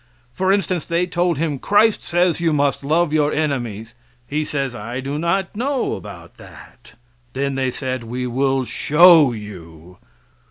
For instance, they told him, "Christ says you must love your enemies;" he says, "I do not know about that;" then they said, "We will show you!"